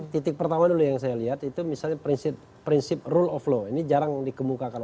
titik pertama dulu yang saya lihat itu misalnya prinsip rule of law ini jarang dikemukakan